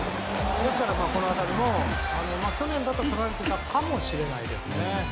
ですから、この当たりも去年だととられていたかもしれないですね。